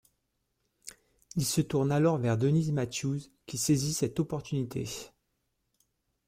Il se tourne alors vers Denise Matthews qui saisit cette opportunité.